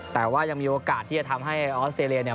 แต่ว่ายังมีโอกาสที่จะทำให้ออสเตรเลียเนี่ย